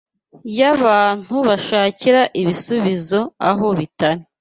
y’abantu bashakira ibibazo aho bitari